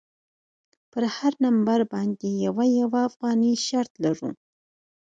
پر هره نمره باندې یوه یوه افغانۍ شرط لرو.